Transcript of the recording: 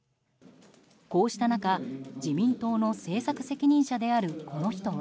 こうした中、自民党の政策責任者であるこの人は。